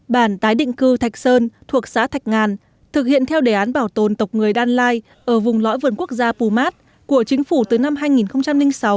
bản tái định cư thạch sơn thuộc xã thạch ngàn thực hiện theo đề án bảo tồn tộc người đan lai ở vùng lõi vườn quốc gia pumat của chính phủ từ năm hai nghìn sáu